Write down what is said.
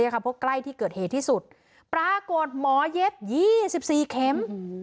เพราะใกล้ที่เกิดเหตุที่สุดปรากฏหมอเย็บ๒๔เข็ม